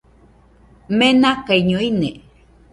Menakaiño ine